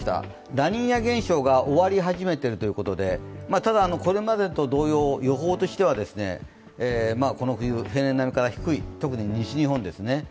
ラニーニャ現象が終わり始めているということでただ、これまでと同様、予報としてはこの冬、平年並みから低い、特に西日本ですね。